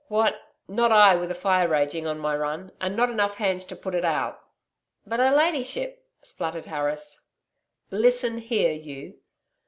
What.... Not I with a fire raging on my run, and not enough hands to put it out.' 'But her ladyship....' spluttered Harris. 'Listen here you....'